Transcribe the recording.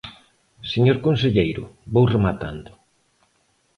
Señor conselleiro, vou rematando.